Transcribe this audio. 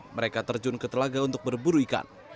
mereka terjun ke telaga untuk berburu ikan